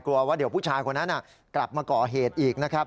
ว่าเดี๋ยวผู้ชายคนนั้นกลับมาก่อเหตุอีกนะครับ